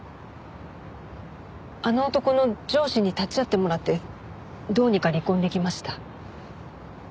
あの男の上司に立ち会ってもらってどうにか離婚できました。